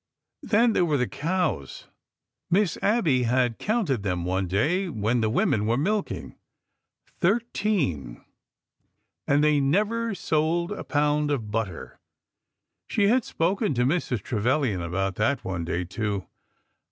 Then there were the cows. Miss Abby had counted them one day when the women were milking. Thirteen ! And they never sold a pound of butter ! She had spoken to Mrs. Trevilian about that one day too.